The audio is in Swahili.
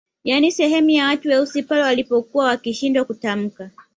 Yaani sehemu ya watu weusi pale walipokuwa wakishindwa kutamka